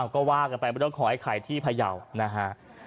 ก็ว่ากันไปเรื่องของไอ้ไข่ที่พยาวนะฮะ